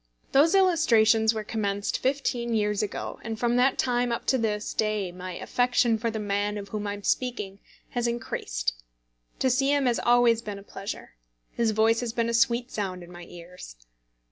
Those illustrations were commenced fifteen years ago, and from that time up to this day my affection for the man of whom I am speaking has increased. To see him has always been a pleasure. His voice has been a sweet sound in my ears.